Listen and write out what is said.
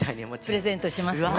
プレゼントしますよ。